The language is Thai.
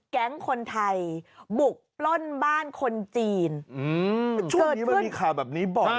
แก๊งคนไทยบุกปล้นบ้านคนจีนอืมช่วงนี้มันมีข่าวแบบนี้บ่อย